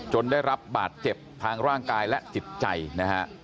ได้รับบาดเจ็บทางร่างกายและจิตใจนะฮะ